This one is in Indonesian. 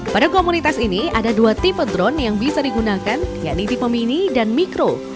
pada komunitas ini ada dua tipe drone yang bisa digunakan yakni tipe mini dan mikro